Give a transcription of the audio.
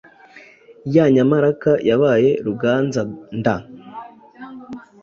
Ya nyamaraka, yabaye rugenza-nda